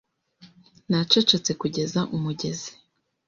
Nacecetse kugeza umugezi